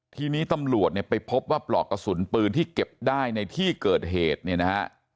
ทีนี้ตำรวจเนี่ยไปพบว่าปลอกกระสุนปืนที่เก็บได้ในที่เกิดเหตุเนี่ยนะฮะ